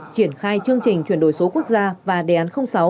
triển khai chương trình chuyển đổi số quốc gia và đề án sáu